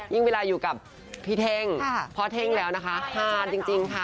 เวลาอยู่กับพี่เท่งพ่อเท่งแล้วนะคะฮานจริงค่ะ